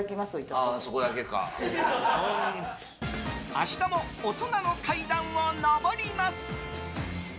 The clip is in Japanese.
明日も大人の階段を上ります！